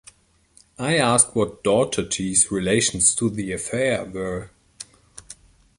I asked what Daugherty's relations to the affair were.